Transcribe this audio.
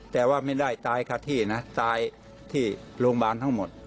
แต่ไม่ได้จากที่ที่โรงบาลทั้งหมด